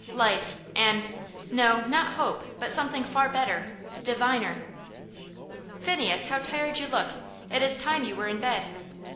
Life and no, not hope, but something far better, diviner. "Phineas, how tired you look; it is time you were in bed."